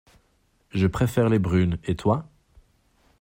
Je préfère les brunes, et toi?